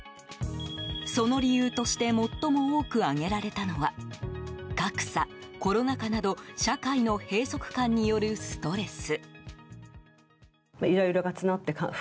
その理由として最も多く挙げられたのは格差、コロナ禍など社会の閉塞感によるストレス。